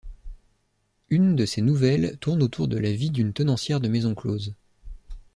Une de ses nouvelles tourne autour de la vie d'une tenancière de maison close.